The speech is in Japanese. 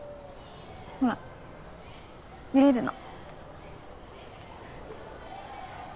ほら揺れるの